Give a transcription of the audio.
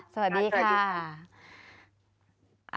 สวัสดีค่ะ